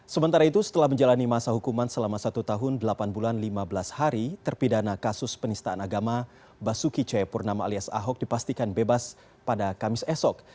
sementara itu setelah menjalani masa hukuman selama satu tahun delapan bulan lima belas hari terpidana kasus penistaan agama basuki cahayapurnama alias ahok dipastikan bebas pada kamis esok